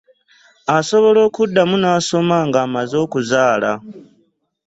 Asobola okuddamu n'asoma ng'amaze okuzaala.